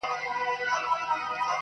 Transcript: نه دعا نه په جومات کي خیراتونو!.